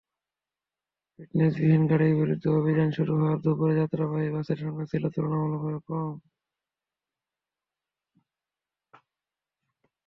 ফিটনেসবিহীন গাড়ির বিরুদ্ধে অভিযান শুরু হওয়ায় দুপুরে যাত্রীবাহী বাসের সংখ্যা ছিল তুলনামূলকভাবে কম।